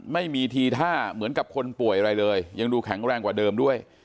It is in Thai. ไม่มีทีท่าเหมือนกับคนป่วยอะไรเลยยังดูแข็งแรงกว่าเดิมด้วย